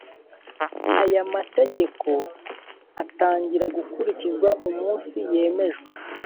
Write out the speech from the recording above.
Aya mategeko atangira gukurikizwa umunsi yemejwe